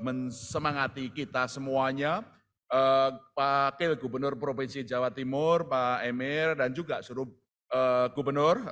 mensemangati kita semuanya wakil gubernur provinsi jawa timur pak emil dan juga seluruh gubernur